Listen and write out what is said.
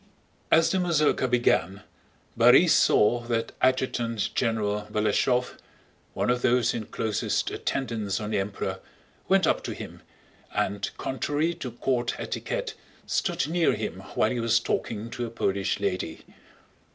As the mazurka began, Borís saw that Adjutant General Balashëv, one of those in closest attendance on the Emperor, went up to him and contrary to court etiquette stood near him while he was talking to a Polish lady.